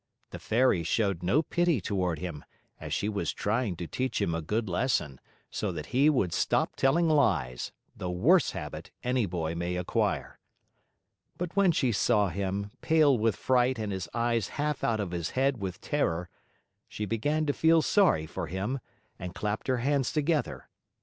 The Fairy showed no pity toward him, as she was trying to teach him a good lesson, so that he would stop telling lies, the worst habit any boy may acquire. But when she saw him, pale with fright and with his eyes half out of his head from terror, she began to feel sorry for him and clapped her hands together.